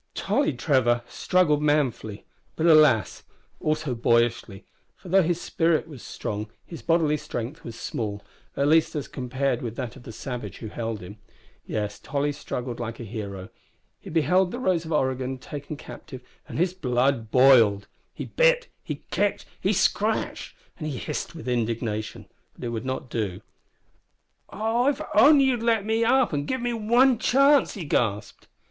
Tolly Trevor struggled manfully, but alas! also boyishly, for though his spirit was strong his bodily strength was small at least, as compared with that of the savage who held him. Yes, Tolly struggled like a hero. He beheld the Rose of Oregon taken captive, and his blood boiled! He bit, he kicked, he scratched, and he hissed with indignation but it would not do. "Oh, if you'd only let me up and give me one chance!" he gasped.